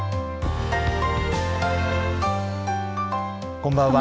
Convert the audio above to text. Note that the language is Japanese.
こんばんは。